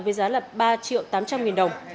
với giá là ba triệu tám trăm linh nghìn đồng